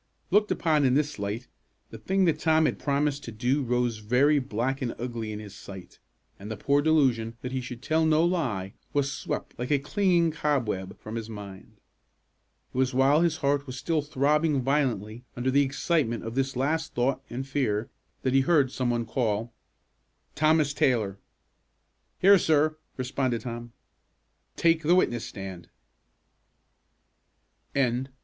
Looked upon in this light, the thing that Tom had promised to do rose very black and ugly in his sight; and the poor delusion that he should tell no lie was swept, like a clinging cobweb, from his mind. It was while his heart was still throbbing violently under the excitement of this last thought and fear, that he heard some one call, "Thomas Taylor!" "Here, sir," responded Tom. "Take the witness stand."